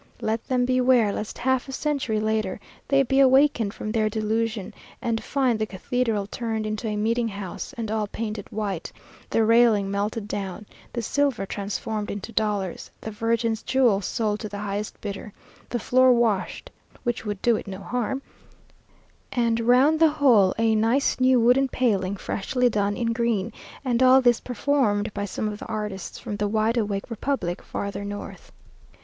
Let them beware lest half a century later, they be awakened from their delusion, and find the cathedral turned into a meeting house, and all painted white; the railing melted down; the silver transformed into dollars; the Virgin's jewels sold to the highest bidder; the floor washed (which would do it no harm), and round the whole, a nice new wooden paling, freshly done in green and all this performed by some of the artists from the wide awake republic farther north.